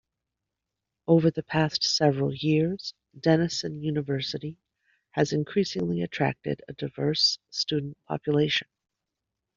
Over the past several years, Denison University has increasingly attracted a diverse student population.